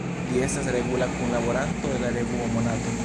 Li estas regula kunlaboranto de la revuo Monato.